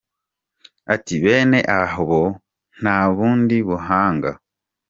Ati “Bene aho, nta bundi buhanga.